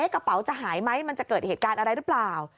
กระเป๋าจะหายไหมมันจะเกิดเหตุการณ์อะไรหรือเปล่า